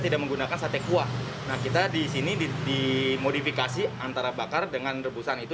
tidak menggunakan sate kuah nah kita disini dimodifikasi antara bakar dengan rebusan itu